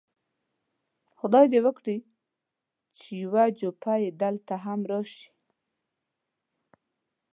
خدای دې وکړي چې یو جوپه یې دلته هم راشي.